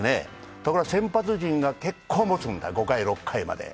ところが先発陣が結構もつんだ、５回、６回まで。